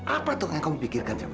apa itu yang kamu pikirkan coba